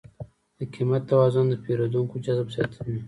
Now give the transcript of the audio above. د قیمت توازن د پیرودونکو جذب زیاتوي.